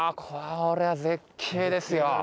これは絶景ですよ。